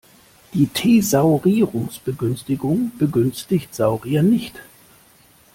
Die Thesaurierungsbegünstigung begünstigt Saurier nicht.